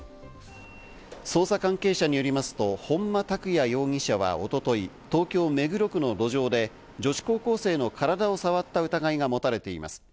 捜査関係者によりますと本間拓也容疑者はおととい、東京・目黒区の路上で女子高校生の体を触った疑いが持たれています。